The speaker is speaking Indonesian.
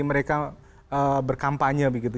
mereka berkampanye begitu